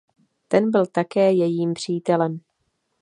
Ten byl také jejím přítelem.